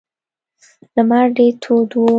لمر ډیر تود و.